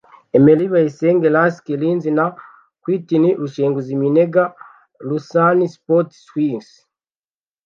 Emery Bayisenge (Lask Linz) na Quintin Rushenguziminega (Lausanne Sport/Swiss)